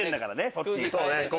そっち。